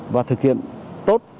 và thực hiện tốt